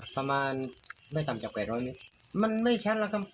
ประมาณไม่ต่ำจากแปดร้อยเมตรมันไม่ชัดแล้วครับ